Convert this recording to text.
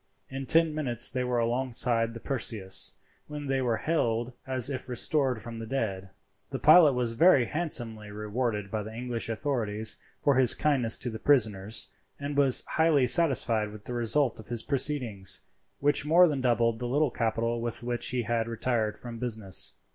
In ten minutes they were alongside the Perseus, when they were hailed as if restored from the dead. The pilot was very handsomely rewarded by the English authorities for his kindness to the prisoners, and was highly satisfied with the result of his proceedings, which more than doubled the little capital with which he had retired from business.